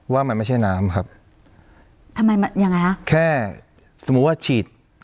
ว่ามันไม่ใช่น้ำครับทำไมมันยังไงฮะแค่สมมุติว่าฉีด